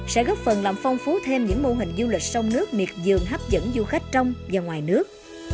sẽ góp phần làm phong phú thêm những mô hình du lịch sông nước miệt dương hấp dẫn du khách trong và ngoài nước